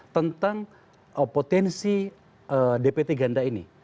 tentang potensi dpt ganda ini